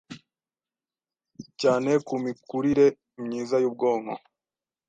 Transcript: cyane ku mikurire myiza y’ubwonko